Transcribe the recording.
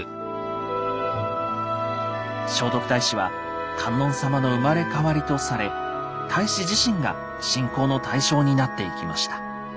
聖徳太子は観音様の生まれ変わりとされ太子自身が信仰の対象になっていきました。